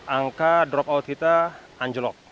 angka dropout kita anjlok